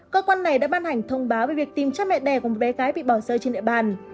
cơ quan này đã ban hành thông báo về việc tìm cha mẹ đẻ của một bé gái bị bỏ rơi trên địa bàn